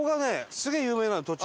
すげえ有名なの栃木。